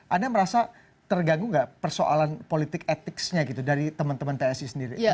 anda merasa terganggu nggak persoalan politik etiknya gitu dari teman teman psi sendiri